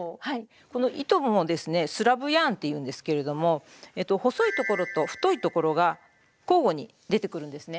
この糸もですね「スラブヤーン」っていうんですけれども細いところと太いところが交互に出てくるんですね。